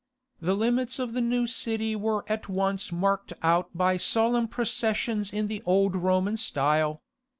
The limits of the new city were at once marked out by solemn processions in the old Roman style.